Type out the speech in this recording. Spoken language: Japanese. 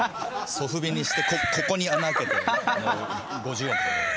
ソフビにしてここに穴開けて５０円入れて。